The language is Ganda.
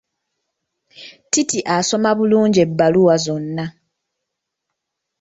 Titi asoma bulungi ebbaluwa zonna.